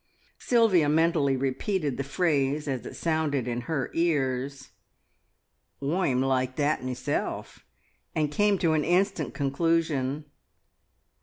Sylvia mentally repeated the phrase as it sounded in her ears, "Oi'm like that meself!" and came to an instant conclusion.